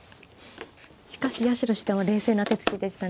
しかし八代七段は冷静な手つきでしたね。